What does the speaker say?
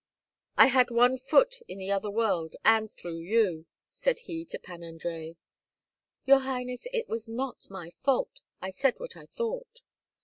"I had one foot in the other world and through you," said he to Pan Andrei. "Your highness, it was not my fault; I said what I thought."